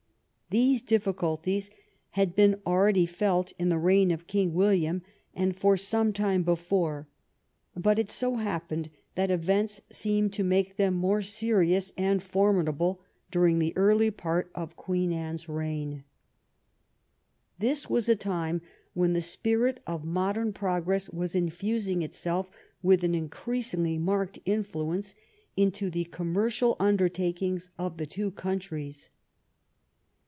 These difficulties had been already felt in the reign of King William and for some time before, but it so happened that events seemed to make them more serious and for midable during the early part of Queen Anne's reign. ■■'» 161 THE REIGN OF QUEEN ANNE This was a time when the spirit of modem progress was infusing itself, with an increasingly marked in fluence, into the commercial undertakings of the two countries.